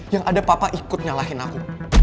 yang ada papa ikut nyalahin aku